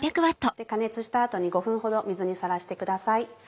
加熱した後に５分ほど水にさらしてください。